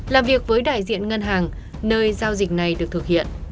làm việc với đại diện ngân hàng nơi giao dịch này được thực hiện